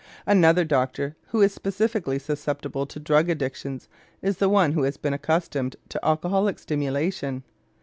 Another doctor who is specially susceptible to drug addictions is the one who has been accustomed to alcoholic stimulation.